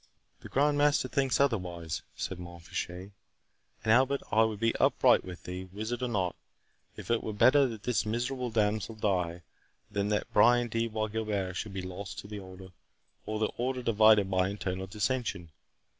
"The Grand Master thinks otherwise," said Mont Fitchet; "and, Albert, I will be upright with thee—wizard or not, it were better that this miserable damsel die, than that Brian de Bois Guilbert should be lost to the Order, or the Order divided by internal dissension.